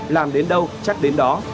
làm đến đâu chắc đến đó